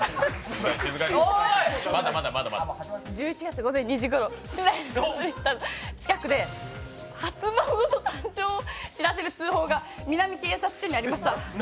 １１月午前２時ごろ、市内のガソリンスタンド近くで初孫の誕生を知らせる通報が南警察署にありました。